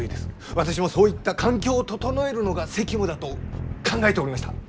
私もそういった環境を整えるのが責務だと考えておりました。